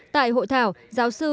tại hội thảo giáo sư